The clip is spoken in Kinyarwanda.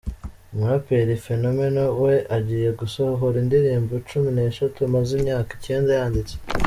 Umuraperi Phenomenal we agiye gusohora indirimbo cumi n’eshatu amaze imyaka icyenda yanditse.